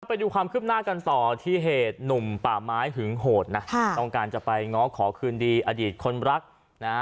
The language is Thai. ไปดูความคืบหน้ากันต่อที่เหตุหนุ่มป่าไม้หึงโหดนะค่ะต้องการจะไปง้อขอคืนดีอดีตคนรักนะฮะ